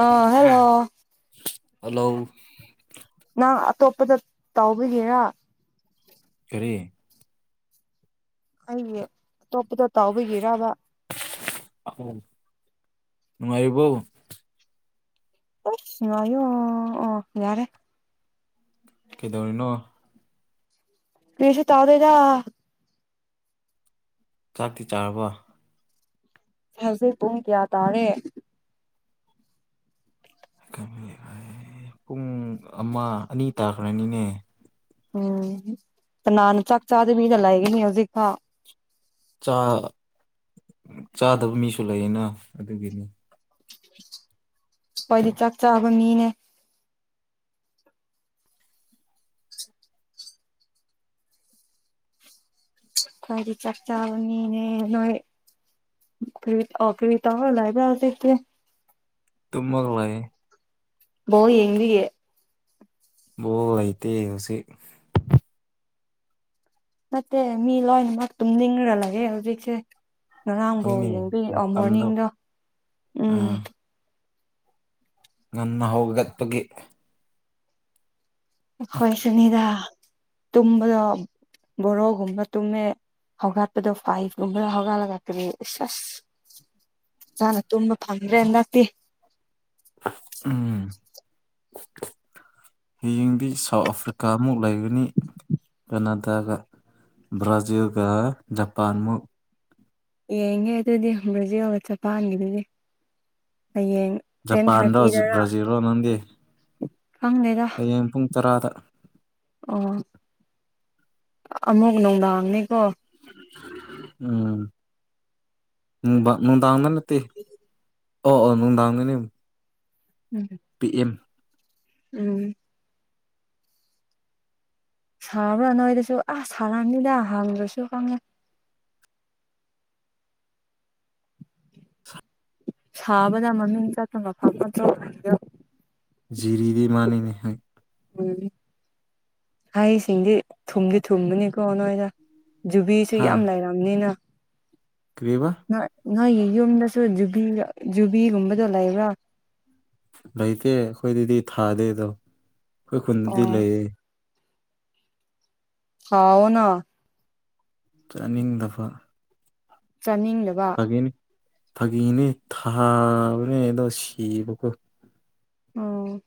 ꯑꯥ ꯍꯥꯥ hello hello ꯅꯪ ꯑꯇꯣꯞꯄꯗ ꯇꯥꯎꯕꯤꯒꯦꯔꯥ ꯀꯔꯤ ꯑꯩꯒꯤ ꯑꯇꯣꯞꯄꯗ ꯇꯥꯎꯕꯤꯒꯤꯔꯕ ꯅꯨꯡꯉꯥꯏꯔꯤꯕꯣ ꯇꯁꯅꯣ ꯑꯣ ꯌꯥꯔꯦ ꯀꯩꯗꯧꯔꯤꯅꯣ ꯀꯔꯤꯁꯨ ꯇꯥꯎꯗꯦꯗ ꯆꯥꯛꯇꯤ ꯆꯥꯔꯕ ꯍꯧꯖꯤꯛ ꯄꯨꯡ ꯀꯌꯥ ꯇꯥꯔꯦ ꯄꯨꯡ ꯑꯃ ꯑꯅꯤ ꯇꯥꯈ꯭ꯔꯅꯤꯅꯦ ꯎꯝ ꯀꯅꯥꯟꯅ ꯆꯥꯛ ꯆꯥꯗ ꯃꯤꯅ ꯂꯥꯏꯒꯅꯤ ꯍꯧꯖꯤꯛꯀꯥ ꯆꯥꯗꯕ ꯃꯤꯁꯨ ꯂꯩꯌꯦꯅ ꯑꯗꯨꯒꯤꯅꯤ ꯑꯩꯈꯣꯏꯗꯤ ꯆꯥꯛ ꯆꯥꯕ ꯃꯤꯅꯦ ꯀꯋꯥꯗꯤ ꯆꯥꯛ ꯆꯅꯤꯅꯦ ꯅꯣꯏ ꯀꯇꯥ ꯑꯣ ꯀꯕꯤꯇꯥ ꯍꯣꯂꯏꯕ ꯁꯦ ꯇꯃꯜ ꯂꯩꯏ ꯕꯣ ꯌꯦꯡꯗꯤꯌꯦꯦ ꯣ ꯑꯥꯏꯇꯩ ꯍꯧꯖꯤꯦ ꯅꯠꯇꯦ ꯃꯤ ꯂꯣꯏꯅꯃꯛ ꯇꯨꯝ ꯅꯤꯡꯈꯂꯒꯦ ꯍꯧꯖꯤꯛꯁꯦ ꯉꯔꯥꯡꯐꯧ ꯍꯣꯏꯅꯦ ꯌꯦꯡꯕꯤꯔꯛꯑꯣ ꯃꯇꯝꯗꯣ ꯃꯣꯔꯅꯤꯡꯗꯣ ꯎꯝ ꯑꯥ ꯉꯟꯅ ꯍꯧꯒꯒꯠꯄꯒꯤ ꯑꯩꯈꯣꯏ ꯁꯨꯅꯤꯗ ꯇꯨꯝꯕꯗꯣ ꯕꯣꯔꯣꯒꯨꯝꯕ ꯇꯨꯝꯃꯦ ꯍꯧꯒꯠꯄꯗꯣ ꯐꯥꯏꯚꯒꯨꯝꯕꯗ ꯍꯧꯒꯠꯂꯒꯥꯛꯀꯅꯦ ꯑ ꯑꯁ ꯏꯁꯥꯅ ꯇꯨꯝꯕ ꯑꯗ꯭ꯔꯦ ꯌꯦꯟꯥꯛꯇ ꯎꯝ ꯍꯌꯦꯡꯗꯤ ꯁꯥꯎꯠ ꯑꯐ꯭ꯔꯤꯀꯥꯃꯨꯛ ꯂꯩꯒꯅꯤ ꯀꯅꯥꯗꯥꯒ ꯕ꯭ꯔꯥꯖꯤꯤꯜꯒ ꯖꯄꯥꯥꯟ ꯌꯦꯡꯉꯦ ꯑꯗꯨꯗꯤ ꯕ꯭ꯔꯥꯖꯤꯜ ꯖꯄꯥꯟꯒꯤꯗꯨꯗꯤꯡ ꯖꯄꯥꯟ ꯔ ꯕ꯭ꯔꯥꯖꯤꯜ ꯔ ꯅꯪꯗꯤꯦ ꯄꯪꯂꯗ ꯍꯌꯦꯡ ꯄꯨꯡ ꯇꯔꯥꯗ ꯑꯣ ꯑꯃꯨꯛ ꯅꯨꯡꯗꯥꯡꯅꯤꯀꯣ ꯎꯝ ꯅꯣꯡꯗꯥꯉꯗ ꯅꯠꯇ ꯑꯣ ꯑꯣ ꯅꯨꯡꯗꯥꯡꯒꯅꯤ ꯎꯝꯝ ꯄꯤ ꯑꯦꯝ ꯎꯝ ꯁꯥꯔꯕ꯭ꯔꯥ ꯅꯣꯏꯗꯁꯨ ꯑꯁ ꯁꯥꯔꯅꯤꯗ ꯍꯪꯗ꯭ꯔꯁꯨ ꯈꯪꯉꯦ ꯁꯥꯕꯗ ꯃꯃꯤꯡ ꯆꯠꯇꯨꯅ ꯐꯥꯎꯀꯠꯇ꯭ꯔꯣ ꯔꯤꯗꯤ ꯃꯥꯅꯤꯅꯦꯍ ꯎꯝ ꯍꯩꯁꯤꯡꯗꯤ ꯊꯨꯝꯗꯤ ꯊꯨꯝꯕꯅꯤꯀꯣ ꯅꯣꯏꯗ ꯖꯨꯕꯤꯁꯨ ꯌꯥꯝ ꯂꯩꯔꯝꯅꯤꯅ ꯀ꯭ꯔꯤꯦꯕ ꯅꯣꯏꯒꯤ ꯌꯨꯝꯗꯁꯨ ꯨꯕꯤꯒ ꯖꯨꯕꯤꯒꯨꯝꯕꯗꯣ ꯂꯩꯕ꯭ꯔꯥ ꯂꯩꯇꯦ ꯑꯩꯈꯣꯏꯗꯗꯤ ꯊꯥꯗꯦ ꯑꯗꯣ ꯑꯩꯈꯣꯏ ꯈꯨꯟꯗꯗꯤ ꯑꯣ ꯂꯩꯌꯦ ꯍꯥꯎꯅ ꯆꯥꯅꯤꯡꯗꯕ ꯆꯥꯅꯤꯡꯗꯕ ꯐꯥꯒꯅꯤ ꯐꯥꯒꯤꯅꯦ ꯊꯥꯕꯅꯦ ꯑꯗꯣ ꯁꯤꯕꯀꯣ ꯎꯝ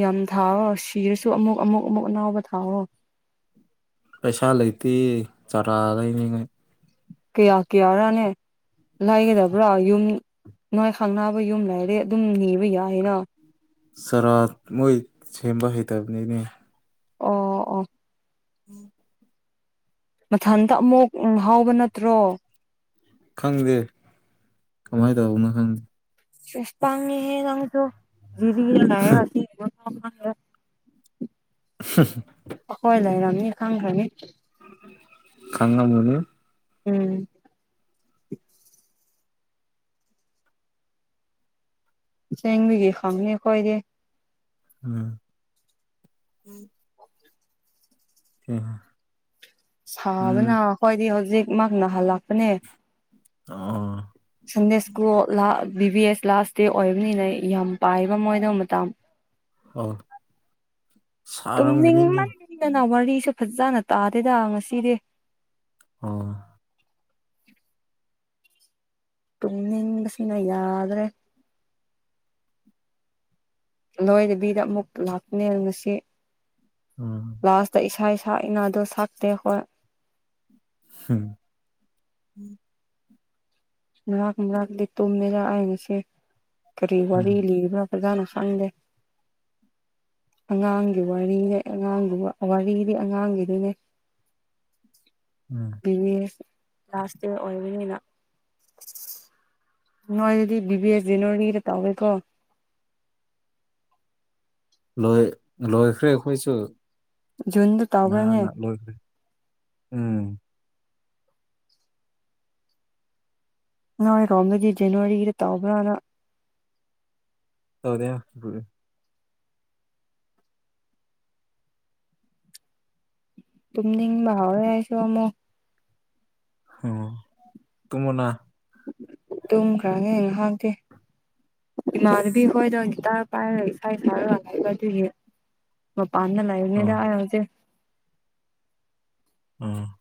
ꯌꯥꯝ ꯊꯥꯎꯔꯣ ꯁꯤꯔꯁꯨ ꯑꯃꯨꯛ ꯑꯃꯨꯛ ꯑꯃꯨꯛ ꯑꯅꯥꯎꯕ ꯊꯥꯎꯔꯣ ꯄꯩꯁꯥ ꯂꯩꯇꯦ ꯆꯥꯔꯥ ꯂꯩꯅꯤꯉꯥꯏ ꯀꯌꯥ ꯀꯌꯥꯔꯅꯦ ꯂꯥꯏꯒꯗꯕ꯭ꯔꯥ ꯌꯨꯝ ꯅꯥꯏ ꯈꯥꯡ ꯅꯥꯕ ꯌꯨꯝ ꯂꯩꯥꯏꯔꯦ ꯑꯗꯨꯝ ꯅꯤꯕ ꯌꯥꯏꯅ ꯆꯔꯥ ꯃꯣꯏ ꯁꯦꯝꯕ ꯍꯩꯇꯕꯅꯤꯅꯦ ꯑꯣ ꯑꯣ ꯎꯝ ꯃꯊꯟꯇ ꯑꯃꯨꯛ ꯍꯥꯎꯕ ꯅꯠꯇ꯭ꯔꯣ ꯈꯪꯗꯦ ꯀꯃꯥꯏꯅ ꯇꯧꯕꯅꯣ ꯈꯪꯗꯦ ꯆꯦꯁ ꯍꯦ ꯅꯪꯁꯨ ꯖꯤꯔꯤꯗ ꯂꯩꯔꯒ [unintelligible] [unintelligible] ꯈꯣꯏ ꯂꯩꯔꯝꯅꯤ ꯈꯪꯈ꯭ꯔꯅꯤ ꯈꯉ ꯃꯅꯤ ꯎꯝ ꯆꯦꯡꯕꯒꯤ ꯈꯪꯅꯤ ꯈꯣꯏꯗꯤ ꯎꯝ [unintelligible] ꯎꯝ ꯁꯥꯕꯅ ꯍꯣꯏꯗꯤ ꯍꯧꯖꯤꯛꯃꯛ ꯅꯥꯍꯜꯂꯛꯄꯅꯦ ꯑꯣ Sunday school B B S ꯂꯥꯁ ꯗꯦ ꯑꯣꯏꯕꯅꯤꯅ ꯌꯥꯝ ꯄꯥꯏꯕꯝꯣꯏꯗꯪ ꯃꯇꯝꯥ ꯑꯣ ꯁꯥꯔꯝꯒꯅꯤꯅꯦ ꯇꯨꯝꯅꯤꯪꯃꯟꯗꯅ ꯋꯥꯔꯤꯁꯨ ꯐꯖꯅ ꯇꯥꯗꯦꯗ ꯉꯁꯤꯗꯤ ꯑꯣꯥ ꯇꯨꯝꯅꯤꯡꯕꯁꯤꯅ ꯌꯥꯗ꯭ꯔꯦ ꯂꯣꯏꯗꯕꯤꯗ ꯑꯃꯨꯛ ꯂꯥꯛꯄꯅꯦ ꯉꯁꯤ ꯎꯝ ꯂꯥꯁꯇ ꯏꯁꯥ ꯏꯁꯥ ꯏꯅꯥꯗꯣ ꯁꯛꯇꯦ ꯈꯣ ꯎꯝ ꯥꯛꯂꯤ ꯇꯨꯝ ꯃꯔ ꯑꯥꯏꯟꯁꯦ ꯀꯔꯤ ꯎꯝ ꯋꯥꯔꯤ ꯂꯤꯕ꯭ꯔꯥ [unintelligible] ꯑꯉꯥꯡꯒꯤ ꯋꯥꯔꯤꯅꯦ ꯑꯉꯥꯡꯒꯤ ꯋꯥꯔꯤꯗꯤ ꯑꯉꯥꯡꯒꯤꯗꯨꯅꯦ ꯎꯝ ꯕꯤ ꯂꯥꯁ ꯗꯦ ꯑꯣꯏꯕꯅꯤꯅ ꯅꯣꯏ ꯑꯗꯨꯗꯤ ꯕꯤꯕꯤꯦ ꯑꯦꯐ ꯖꯅꯋꯥꯔꯤꯗ ꯇꯧꯋꯦꯀꯣ ꯂꯣꯏ ꯂꯣꯏꯈ꯭ꯔꯦ ꯑꯩꯈꯣꯏꯁꯨ ꯖꯨꯟꯗ ꯇꯧꯔꯥꯅꯤ ꯍꯣꯏ ꯎꯝ ꯅꯣꯏꯔꯣꯝꯗꯗꯤ ꯖꯅꯋꯥꯔꯤꯒꯤꯗ ꯇꯧꯕ꯭ꯔꯅ [unintelligible] ꯇꯨꯝꯅꯤꯪꯕꯥ ꯍꯧꯔꯦ ꯑꯩꯁꯨ ꯑꯃꯨꯛ ꯑꯣ ꯇꯨꯝꯃꫭꯅ ꯇꯨꯝꯈ꯭ꯔꯒꯦ ꯉꯍꯥꯛꯇꯤ ꯏꯃꯥꯟꯅꯕꯤ ꯈꯣꯏꯗꫭ ꯒꯤꯇꫪ ꯄꯥꯏꯔ ꯏꯁꯩ ꯁꯛꯔ ꯂꯩꯕ ꯑꯗꯨꯒꯤꯅꯦ ꯃꯄꯥꯟꯗ ꯂꯩꯕꯅꯤꯗ ꯎꯝ ꯑꯩ ꯍꯨꯖꯤꯛ ꯎꯝ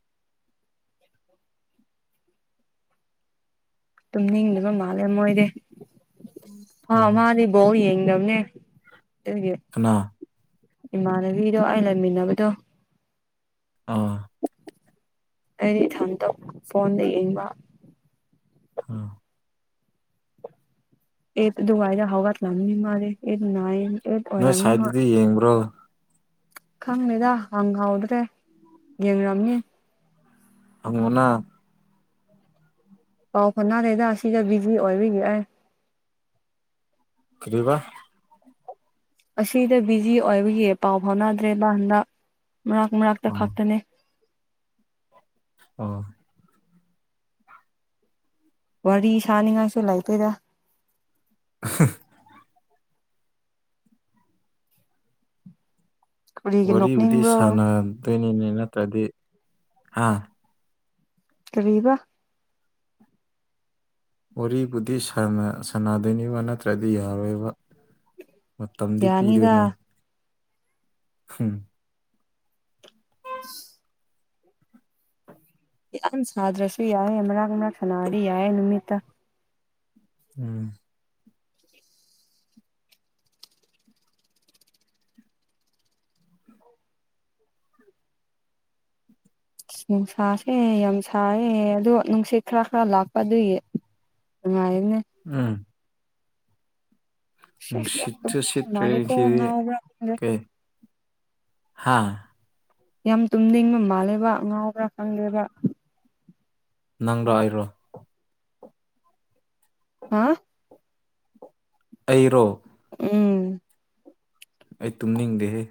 ꯇꯨꯝꯅꯤꯡꯗꯕ ꯃꯥꯜꯂꯦ ꯃꯣꯏꯗꯤ ꯑ ꯎꯝ ꯃꯥꯗꯤ ꯕꯧ ꯌꯦꯡꯗꯕꯅꯦ ꯑꯗꯨꯒꯤ ꯀꯅꯥ ꯏꯃꯥꯟꯅꯕꯤꯗꯣ ꯑꯩ ꯂꯩꯃꯤꯟꯅꯕꯗꯣ ꯑ ꯑꯩꯗꯤ ꯏꯊꯟꯇ ꯐꯣꯟꯗ ꯌꯦꯡꯕ ꯑ ꯑꯦ ꯋꯥꯏꯗ ꯍꯧꯒ ꯂꯃꯤ ꯃꯥꯦꯅꯏ ꯅꯣꯏ ꯁꯥꯏꯠꯇꯗꯤ ꯌꯦꯡꯕ꯭ꯔꯣ ꯈꯪꯗꯦꯗ ꯍꯪꯍꯧꯗꯔ꯭ꯦ ꯌꯦꯡꯔꯝꯅꯤ ꯑꯅꯥ [unintelligible] ꯄꯥꯎ ꯐꯥꯎꯅꯥꯗꯦꯗꯥ ꯁꯤꯗ ꯕꯤꯖꯤ ꯑꯣꯏꯕꯒꯤ ꯑꯩ ꯀꯕꯥ ꯑꯁꯤꯗ ꯕꯤꯖꯤ ꯑꯣꯏꯕꯒꯤ ꯄꯥꯎ ꯐꯥꯎꯅꯗ꯭ꯔꯦꯕ ꯍꯟꯗꯛ ꯃꯔꯛ ꯃꯔꯛꯇ ꯑꯣ ꯈꯛꯇꯅꯦ ꯑꫭ ꯋꯥꯔꯤ ꯁꯥꯅꯤꯡꯉꯥꯏꯁꯨ ꯂꯩꯇꯦꯗ [unintelligible] ꯀꯔꯤꯒꯤ ꯋꯥꯔꯤꯕꯨꯗꯤ ꯅꯣꯛꯅꯤꯡꯕ꯭ꯔꯣ ꯁꯥꯟꯅꯗꯣꯏꯅꯤꯅꯦ ꯅꯠꯇ꯭ꯔꯗꯤ ꯍꯥ ꯀꯔꯤꯕ ꯋꯥꯔꯤꯕꯨꯗꯤ ꯁꯥꯟꯅ ꯁꯥꯟꯅꯗꯣꯏꯅꯤꯕ ꯅꯠꯇ꯭ꯔꯗꯤ ꯌꯥꯔꯣꯏꯕ ꯃꯇꯝꯗꯤ ꯌꯥꯅꯤꯗ ꯄꯤꯗꯣꯏꯅꯦ [unintelligible] [unintelligible] ꯌꯥꯝ ꯁꯥꯗ꯭ꯔꯁꯨ ꯌꯥꯏ ꯃꯔꯛ ꯃꯔꯛ ꯁꯥꯟꯅꯔꯗꯤ ꯌꯥꯏ ꯅꯨꯃꯤꯠꯇ ꯎꯝ ꯅꯨꯡꯁꯥꯁꯦ ꯌꯥꯝ ꯁꯥꯏꯌꯦ ꯑꯗꯣ ꯅꯨꯡꯁꯤꯠ ꯈꯔ ꯈꯔ ꯂꯥꯛꯄ ꯑꯗꯨꯒꯤ ꯅꯨꯉꯥꯏꯔꯤꯅꯦ ꯎꯝ ꯁꯤꯁ ꯌꯥꯝ ꯅꯨꯡꯁꯤꯠꯁꯨ ꯇꯨꯝꯅꯤꯡꯕ ꯁꯤꯇ꯭ꯔꯦ ꯃꯥꯜꯂꯦꯀꯣ ꯁꯤꯗꯤ ꯉꯥꯎꯕ꯭ꯔꯥ ꯈꯪꯗꯦ ꯀꯩ ꯍꯥꯥ ꯌꯥꯝ ꯇꯨꯝꯅꯤꯡꯕ ꯃꯥꯜꯂꯦꯕ ꯉꯥꯎꯕꯔꯥ ꯈꯪꯗꯦꯕ ꯅꯪꯔꯣ ꯑꯩꯔꯣ ꯍꯥ ꯑꯩꯔꯣ ꯎꯝ ꯑꯩ ꯇꯨꯝꯅꯤꯡꯗꯦꯍꯦ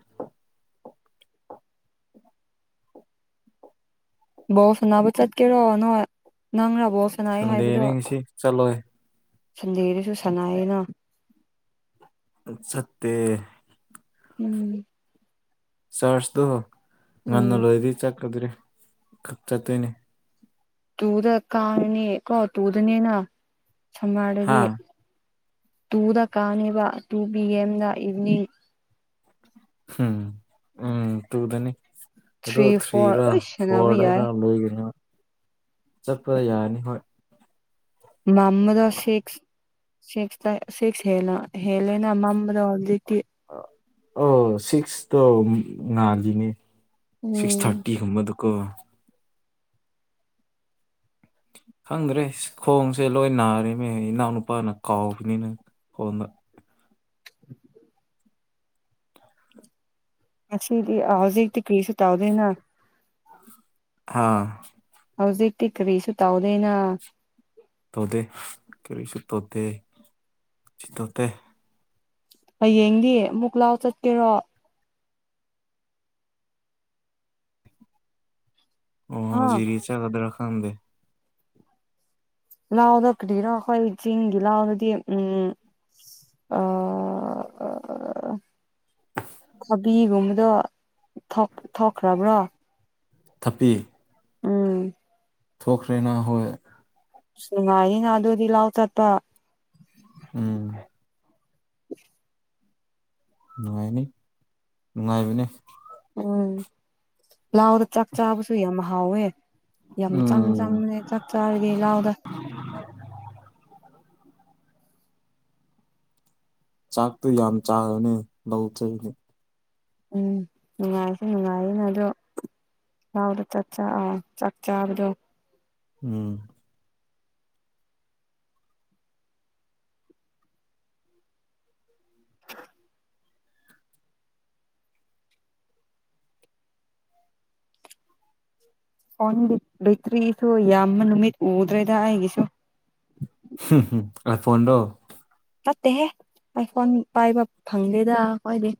ꯕꫭꯜ ꯁꯟꯅꯥ ꯆꯠꯀꯦꯔꯣ ꯅꯣꯏ ꯉꯥꯡꯅꯕ ꯁꯟꯗꯦꯅꯤ ꯉꯁꯤ ꯆꯠꯂꯣꯏ ꯁꯟꯗꯦꯗꯨꯁꯨ ꯁꯥꯟꯅꯌꯦꯅ ꯆꯠꯇꯦ ꯎꯝ ꯆꯥꯔꯖꯇꯣ ꯉꯟꯅ ꯎꯝ ꯂꯣꯏꯗꯤ ꯆꯠꯀꯗ꯭ꯔꯦ ꯈꯛ ꯆꯠꯇꯣꯏꯅꯦ ꯇꯨꯗ ꯀꯥꯔꯅꯤ ꯀꯣ ꯇꯨꯗꯅꯦꯅ ꯍꯥ ꯁꯝꯃꫪꯗꯗꯤ ꯇꯨꯗ ꯀꯥꯅꯦꯕ ꯇꯨ ꯄꯤ ꯑꯦꯝꯗ ꯏꯚꯅꯤꯡ ꯍꯝ ꯎꯝ ꯇꯨꯗꯅꯤ ꯑꯗꫭ ꯊ꯭ꯔꯤ ꯐꯣꯔ ꯊ꯭ꯔꯤꯔ ꯑꯩꯁ ꯁꯥꯟꯅꯕ ꯌꯥꯏ ꯐꯣꯔꯗꯒ ꯂꯣꯏꯒꯅꯤ ꯆꯠꯄ ꯌꯥꯅꯤ ꯍꯣꯏ [unintelligible] ꯁꯦꯛꯁ ꯇ ꯁꯤꯛꯁ ꯍꯦꯟꯅ ꯍꯦꯜꯂꯦꯅ ꯃꯝꯕꯗꯣ ꯍꯧꯖꯤꯛꯇꯤ ꯑ ꯑꯣ ꯁꯤꯛꯁꯇꯣ ꯉꯥꯜꯂꯤꯅꯦ ꯁꯤꯛꯁ ꯎꯝ ꯊꯥꯔꯇꯤ ꯒꯨꯝꯕꯗꯣ ꯀꯣ ꯈꯪꯗ꯭ꯔꯦ ꯈꯣꯡꯁꯦ ꯂꯣꯏ ꯅꯥꯔꯦꯃꯦ ꯏꯅꯥꯎ ꯅꯨꯄꯥꯅ ꯀꯥꯎꯕꯅꯤꯅ ꯍꯣꯟꯅ ꯉꯁꯤꯗꯤ ꯑ ꯍꯧꯖꯤꯛꯇꯤ ꯀ꯭ꯔꯤꯁꯨ ꯇꯥꯎꯗꯦꯅ ꯑꯥ ꯍꯧꯖꯤꯛꯇꯤ ꯀꯔꯤꯁꯨ ꯇꯥꯎꯗꯦꯅ ꯇꯣꯗꯦ ꯀꯔꯤꯁꯨ ꯇꯣꯗꯦ ꯁꯨ ꯇꯣꯗꯦ ꯍꯌꯦꯡꯗꯤ ꯑꯃꯨꯛ ꯂꯥꯎ ꯆꯠꯀꯦꯔꯣ ꯑꯥ ꯑꯣꯖꯤꯔꯤ ꯆꯠꯀꯗꯔ ꯈꯥꯟꯗꯦ ꯂꯥꯎꯗ ꯀꯗꯤꯔꯣ ꯑꯩꯈꯣꯏ ꯆꯤꯡꯒꯤ ꯂꯥꯎꯗꯗꯤ ꯎꯝ [unintelligible] ꯊꯕꯤꯒꯨꯝꯕꯗꯣ ꯊꯣꯛ ꯊꯣꯛꯈ꯭ꯔꯕ꯭ꯔꯣ ꯊꯞꯄꯤ ꯎꯝ ꯊꯣꯛꯈ꯭ꯔꯦꯅ ꯍꯣꯏ ꯅꯨꯡꯉꯥꯏꯅꯤꯅ ꯑꯗꯨꯗꯤ ꯂꯥꯎ ꯆꯠꯄ ꯎꯝ ꯅꯨꯡꯉꯥꯏꯅꯤ ꯅꯨꯡꯉꯥꯏꯕꯅꯦ ꯎꯝ ꯂꯥꯎꯗ ꯆꯥꯛ ꯆꯥꯕꯁꯨ ꯌꯥꯝ ꯍꯥꯎꯋꯦ ꯌꯥꯝ ꯆꯪ ꯎꯝ ꯆꯪꯕꯅꯦ ꯆꯥꯛ ꯆꯥꯔꯒꯦ ꯂꯥꯎꯗ ꯆꯥꯛꯇꯨ ꯌꯥꯝ ꯆꯥꯔꯨꯅꯨ ꯅꯧꯊꯣꯏꯕꯅꯤ ꯎꯝ ꯅꯨꯡꯉꯥꯏꯁꯨ ꯅꯨꯡꯉꯥꯏꯔꯤꯅꯦ ꯑꯗꯣ ꯂꯥꯎꯗ ꯆꯥꯛꯆꯥ ꯑ ꯆꯥꯛ ꯆꯥꯥꯕꯗꯣ ꯎꯝ [inaudible] ꯐꯣꯟ ꯕꯦꯇ꯭ꯔꯤꯁꯨ ꯌꯥꯝꯕ ꯅꯨꯃꯤꯠ ꯎꯗ꯭ꯔꯦꯗ ꯑꯩꯒꯤꯁꯨ ꯑꯥꯏ ꯐꯣꯟꯗꯣ ꯅꯠꯇꯦꯍꯦ ꯑꯥꯏ ꯐꯣꯟ ꯄꯥꯏꯕ ꯐꯪꯗꯦꯗ ꯈꯣꯏꯗꯤ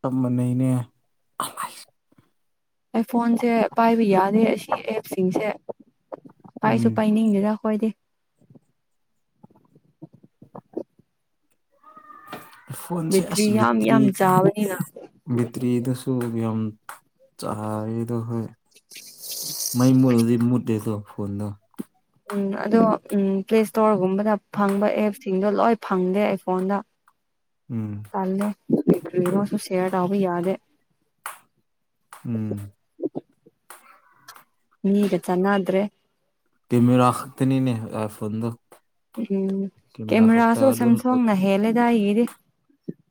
ꯆꯞ ꯃꯅꯩꯅꯦ ꯑꯥꯏ ꯐꯣꯟꯁꯦ ꯄꯥꯏꯕ ꯌꯥꯗꯦ ꯑꯁꯤ ꯑꯦꯞ ꯁꯤꯡꯁꯦ ꯄꯥꯏꯁꯨ ꯎꯝ ꯄꯥꯏꯅꯤꯡꯗꯦꯗ ꯈꯣꯏꯗꯤ ꯐꯣꯟꯁꯦ ꯕꯦꯇ꯭ꯔꯤ ꯑꯁ ꯌꯥꯝ ꯕꯤꯇ꯭ꯔꯤ ꯌꯥꯝ ꯆꯥꯕꯅꯤꯅ ꯕꯤꯇ꯭ꯔꯤꯗꯁꯨ ꯌꯥꯝ ꯆꯥꯔꯤꯗꯣ ꯍꯣꯏ ꯃꯩ ꯃꯨꯠꯂꯗꯤ ꯃꯨꯠꯂꯦꯗꯣ ꯐꯣꯟꯗꯣ ꯎꯝ ꯑꯗꯣ ꯎꯝ ꯄ꯭ꯂꯦ ꯁ꯭ꯇꯣꯔ ꯒꯨꯝꯕꯗ ꯐꯪꯕ ꯑꯦꯞꯁꯤꯡꯗꯣ ꯂꯣꯏ ꯐꯪꯗꯦ ꯑꯥꯏ ꯐꯣꯟꯗ ꯎꯝ ꯇꯜꯂꯦ ꯀ꯭ꯔꯤꯅꯣꯁꯨ ꯁ꯭ꯌꯔ ꯇꯧꯕ ꯌꯥꯗꯦ ꯎꯝ ꯃꯤꯒ ꯆꯥꯟꯅꯗ꯭ꯔꯦ ꯀꯦꯃꯦꯔꯥ ꯈꯛꯇꯅꯤꯅꯦ ꯑꯥꯏ ꯐꯣꯟꯗꯣ ꯎꯝ ꯀꯦꯃꯦꯔꯥꯁꯨ ꯑꯗꯨ ꯁꯝꯁꯣꯡꯅ ꯍꯦꯜꯂꯦꯗ ꯑꯩꯒꯤꯗꯤ